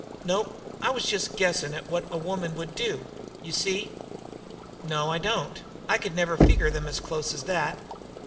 "Nope; I just was guessing at what a lot of women would do. You see?" "No, I don't. I could never figure them as close as that.